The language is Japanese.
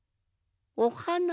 おはな